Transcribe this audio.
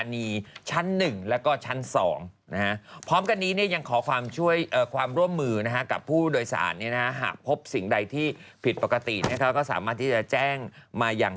ผิดปกติเนี่ยนะคะก็สามารถที่จะแจ้งมาอย่าง